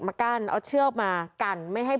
คิดว่าจะมีการสร้างบ้านในที่เดิมอีกไหม